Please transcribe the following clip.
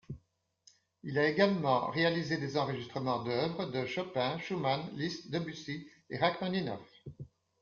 Il a également réalisé des enregistrements d'œuvres de Chopin, Schumann, Liszt, Debussy et Rachmaninov.